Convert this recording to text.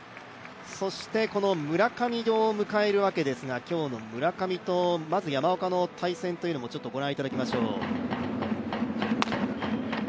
そしてこの村上を迎えるわけですが、今日の村上とまず山岡の対戦をご覧いただきましょう。